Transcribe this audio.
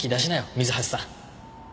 水橋さん。